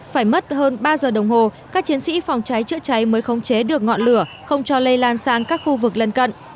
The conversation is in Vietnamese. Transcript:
phải mất hơn ba giờ đồng hồ các chiến sĩ phòng cháy chữa cháy mới khống chế được ngọn lửa không cho lây lan sang các khu vực lân cận